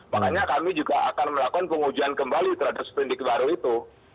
makanya kami juga akan melakukan pengujian kembali terhadap seperindik baru itu